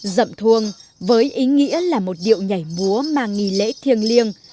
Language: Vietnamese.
dậm thuông với ý nghĩa là một điệu nhảy múa mà nghỉ lễ thiêng liêng